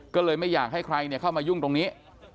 ก็เลยไม่อยากให้ใครเข้ามายุ่งตรงนี้